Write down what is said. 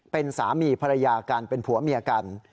เป็นสามีภรรยากันเป็นผัวเมียกัน